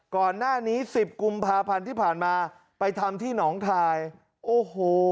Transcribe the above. ก่อนหน้านี้สิบกุมภาพันธ์ที่ผ่านมาไปทำที่หนองทายโอ้โห